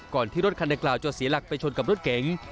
ที่รถคันดังกล่าวจะเสียหลักไปชนกับรถเก๋ง